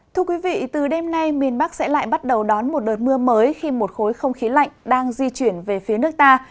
thưa quý vị từ đêm nay miền bắc sẽ lại bắt đầu đón một đợt mưa mới khi một khối không khí lạnh đang di chuyển về phía nước ta